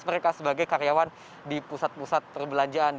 mereka sebagai karyawan di pusat pusat perbelanjaan